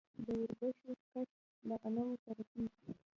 د وربشو کښت له غنمو سره کیږي.